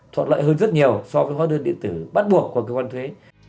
thuận lợi hơn rất nhiều so với hóa đơn điện tử bắt buộc của cơ quan thuế